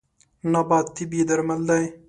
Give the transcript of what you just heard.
نبات طبیعي درمل دی.